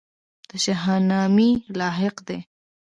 د شاهنامې لاحقه ده.